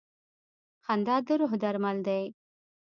• خندا د روح درمل دی.